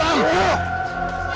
aku harus menemukan